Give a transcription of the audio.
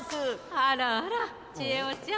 あらあらちえおちゃん。